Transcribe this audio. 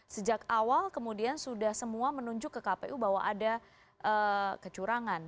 sejak awal kemudian sudah semua menunjuk ke kpu bahwa ada kecurangan